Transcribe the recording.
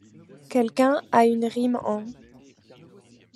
Quelqu'un a une rime en.